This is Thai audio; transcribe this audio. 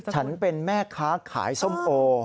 ฉันเป็นแม่ค้าขายส้มโอ